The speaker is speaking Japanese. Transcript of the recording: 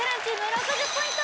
６０ポイント